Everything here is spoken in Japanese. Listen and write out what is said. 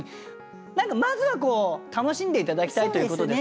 何かまずは楽しんで頂きたいということですかね。